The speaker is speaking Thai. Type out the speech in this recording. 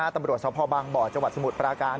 ตำรวจสวพบังบ่าวจวัดสมุทรปราการ